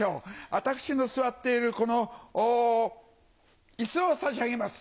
私が座ってるこの椅子を差し上げます。